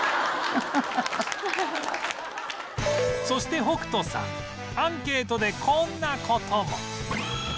そして北斗さんアンケートでこんな事も